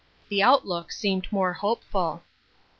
The outlook seemed more hopeful.